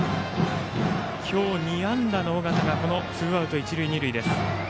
今日２安打の尾形がツーアウト一塁二塁です。